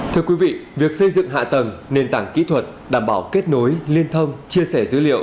thưa quý vị việc xây dựng hạ tầng nền tảng kỹ thuật đảm bảo kết nối liên thông chia sẻ dữ liệu